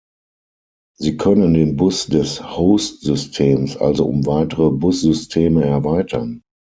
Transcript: Sie können den Bus des Host-Systems also um weitere Bus-Systeme erweitern.